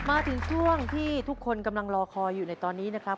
มาถึงช่วงที่ทุกคนกำลังรอคอยอยู่ในตอนนี้นะครับ